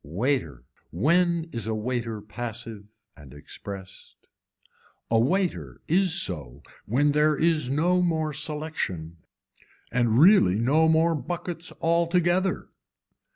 Waiter, when is a waiter passive and expressed, a waiter is so when there is no more selection and really no more buckets altogether.